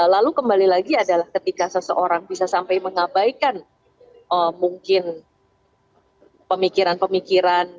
lalu kembali lagi adalah ketika seseorang bisa sampai mengabaikan mungkin pemikiran pemikiran